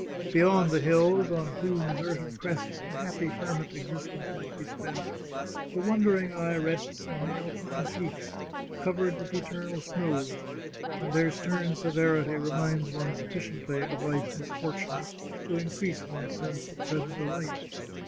Be yond the hills, on whose deserted crests a happy hermit existence might be spent, the wondering eye rests on the Alpine peaks, covered with eternal snows, and their stern severity reminds one sufficiently of life's misfortunes, to increase one's sense of present delight.